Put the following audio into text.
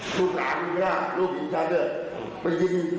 ทุกกานหรือเปล่ารู้ผีใจเรื่อง